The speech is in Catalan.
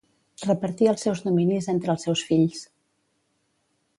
Repartí els seus dominis entre els seus fills.